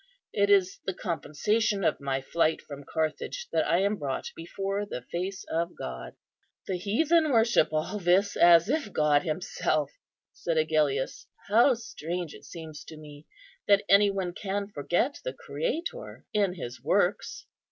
It is the compensation of my flight from Carthage that I am brought before the face of God." "The heathen worship all this, as if God Himself," said Agellius; "how strange it seems to me that any one can forget the Creator in His works!"